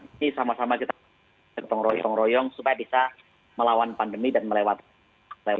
ini sama sama kita pengurang urang supaya bisa melawan pandemi dan melewati